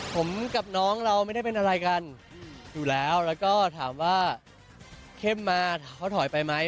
ผมกับน้องเราไม่ได้เป็นอะไรกันอยู่แล้วแล้วก็ถามว่าเข้มมาเขาถอยไปไหม